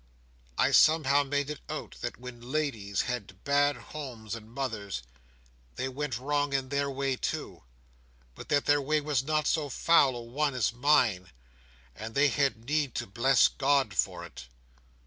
I somehow made it out that when ladies had bad homes and mothers, they went wrong in their way, too; but that their way was not so foul a one as mine, and they had need to bless God for it.